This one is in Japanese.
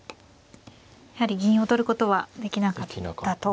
やはり銀を取ることはできなかったと。